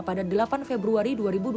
pada delapan februari dua ribu dua puluh